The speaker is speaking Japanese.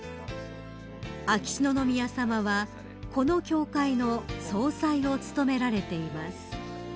［秋篠宮さまはこの協会の総裁を務められています］